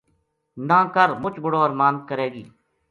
نہ کر مُچ بڑو ارماند کرے گی